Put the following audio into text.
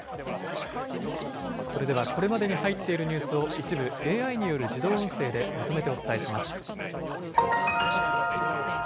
それでは、これまでに入っているニュースを一部、ＡＩによる自動音声でまとめてお伝えします。